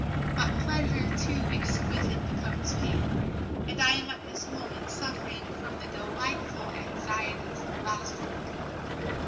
But pleasure too exquisite becomes pain; and I am at this moment suffering from the delightful anxieties of last week."